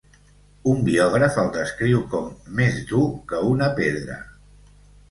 Un biògraf el descriu com "més dur que una pedra".